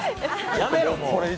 やめろ、もう。